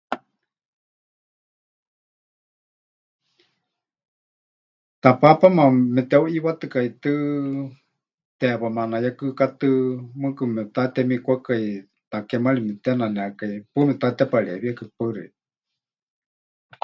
Tapaapáma meteuʼiiwatɨkaitɨ teewa manayekɨkatɨ mɨɨkɨ mepɨtatemikwakai, takémari mepɨtenanekai, paɨ mepɨtatepareewíekai. Paɨ xeikɨ́a.